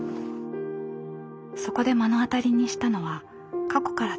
そこで目の当たりにしたのは過去から続く差別の歴史でした。